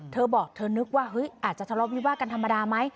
เธอบอกเธอนึกว่าเฮ้ยอาจจะทะเลาะวิวาดกันธรรมดาไหม